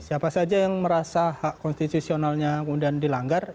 siapa saja yang merasa hak konstitusionalnya kemudian dilanggar